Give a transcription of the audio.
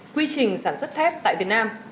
quy trình sản xuất thép tại việt nam